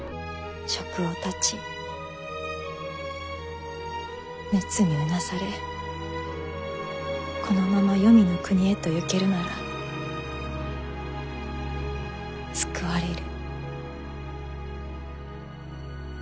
食を断ち熱にうなされこのまま黄泉の国へと行けるなら救われる。